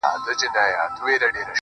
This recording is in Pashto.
تـلاوت دي د ښايستو شعرو كومه.